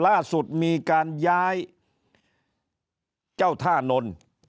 ล่าสุดมีการย้ายเจ้าท่านนนท์